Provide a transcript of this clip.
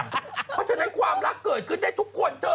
เพราะฉะนั้นความรักเกิดขึ้นได้ทุกคนเธอ